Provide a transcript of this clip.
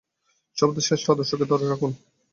সর্বদা শ্রেষ্ঠ আদর্শকে ধরে থাকুন।